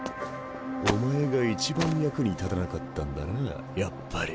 お前が一番役に立たなかったんだなやっぱり。